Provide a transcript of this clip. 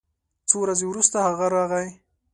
څو ورځې وروسته هغه راغی